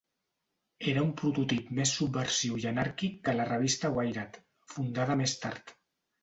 Era un prototip més subversiu i anàrquic que la revista "Wired", fundada més tard.